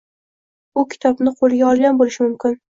U kitobni qo‘liga olgan bo‘lishi mumkin.